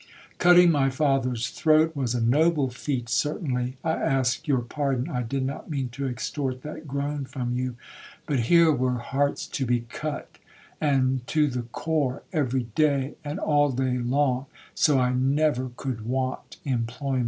Cutting my father's throat was a noble feat certainly, (I ask your pardon, I did not mean to extort that groan from you), but here were hearts to be cut,—and to the core, every day, and all day long, so I never could want employment.'